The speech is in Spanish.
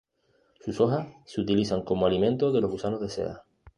Sus hojas se utilizan como alimento de los gusanos de seda.